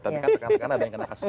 tapi kan ada yang kena kasus